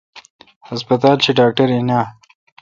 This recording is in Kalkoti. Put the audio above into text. ہسپتال شی ڈاکٹر این آ?